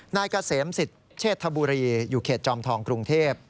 นายเกษมสิทธิ์เชษฐบุรีอยู่เขตจอมทองกรุงเทพ